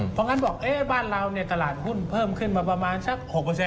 เพราะงั้นบอกบ้านเราตลาดหุ้นเพิ่มขึ้นมาประมาณสัก๖